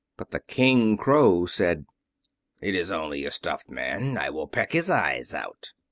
But the King Crow said: "It is only a stuffed man. I will peck his eyes out."